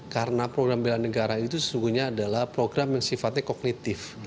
karena program bela negara itu sesungguhnya adalah program yang sifatnya kognitif